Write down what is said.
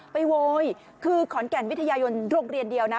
โวยคือขอนแก่นวิทยายนโรงเรียนเดียวนะ